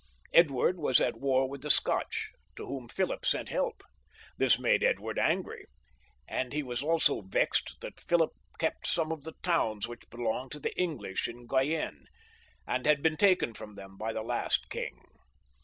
Edward was at war with the Scotch, to whom Philip sent help ; this made Edward angry, and he was also vexed that Philip kept some of the towns which belonged to the English in Guyenne, and had been taken from them by the last king.